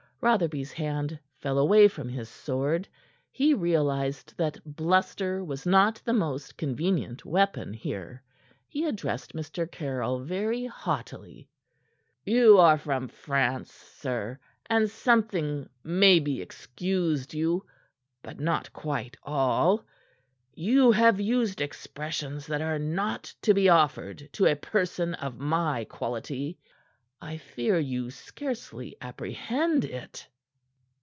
Rotherby's hand fell away from his sword. He realized that bluster was not the most convenient weapon here. He addressed Mr. Caryll very haughtily. "You are from France, sir, and something may be excused you. But not quite all. You have used expressions that are not to be offered to a person of my quality. I fear you scarcely apprehend it."